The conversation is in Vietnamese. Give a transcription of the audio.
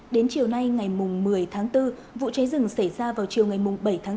đến chiều nay ngày một mươi tháng bốn vụ cháy rừng xảy ra vào chiều ngày bảy tháng bốn